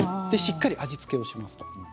しっかり味付けをします。